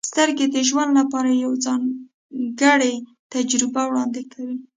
• سترګې د ژوند لپاره یوه ځانګړې تجربه وړاندې کوي.